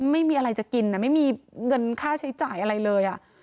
ไม่มีอะไรจะกินไม่มีเงินค่าใช้จ่ายอะไรเลย